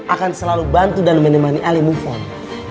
akan selalu bantu dan menemani ali move on